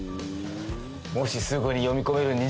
もしすぐに読み込める